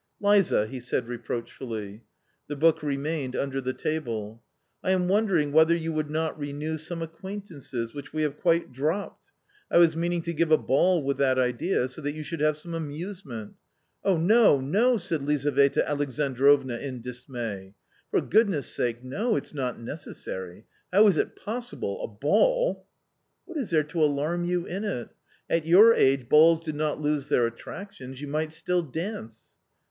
" Liza 1 " he said reproachfully. The book remained under the table. "I am wondering whether you would not renew some acquaintances which we have quite dropped? I was meaning to give a ball with that idea, so that you should have some amusement "" Oh, no, no !" said Lizaveta Alexandrovna in dismay, " for goodness' sake, no, it's not necessary .... How is it possible .... a ball !"" What is there to alarm you in it ? At your age balls do not lose their attractions, you might still dance."